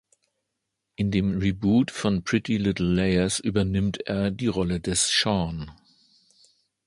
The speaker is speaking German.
In dem Reboot von "Pretty Little Liars" übernimmt er die Rolle des "Shawn".